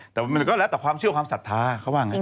แต่มันก็แล้วแต่ความเชื่อความศรัทธาเขาว่างั้น